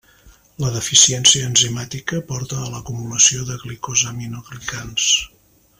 La deficiència enzimàtica porta a l’acumulació de glicosaminoglicans.